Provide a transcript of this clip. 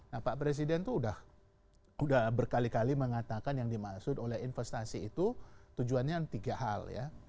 nah pak presiden itu sudah berkali kali mengatakan yang dimaksud oleh investasi itu tujuannya tiga hal ya